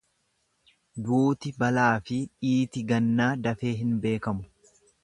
Duuti balaafi dhiiti gannaa dafee hin beekamu.